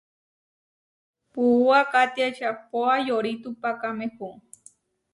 Puúa kátia ečahpóa yoritupakámehu.